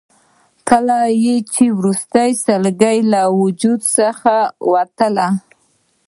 کله یې چې وروستۍ سلګۍ له وجود څخه وتله.